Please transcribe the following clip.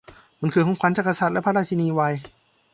มันคือของขวัญจาก กษัตริย์และพระราชินีไวท์